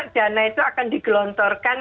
dana itu akan digelontorkan